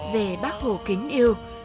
về bác hồ kính yêu